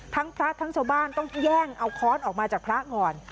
พระทั้งชาวบ้านต้องแย่งเอาค้อนออกมาจากพระก่อน